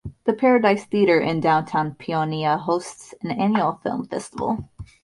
The Paradise Theater in downtown Paonia hosts an annual film festival.